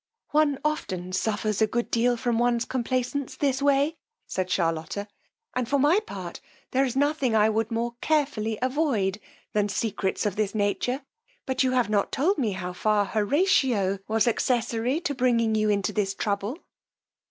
One often suffers a good deal from one's complaisance this way, said Charlotta; and for my part there is nothing I would more carefully avoid than secrets of this nature; but you have not told me how far Horatio was accessary to bringing you into this trouble.